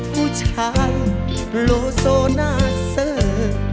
ผู้ชายโลโซน่าเซอร์